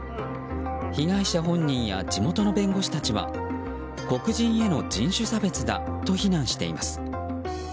被害者本人や地元の弁護士たちは黒人への人種差別だと避難しています。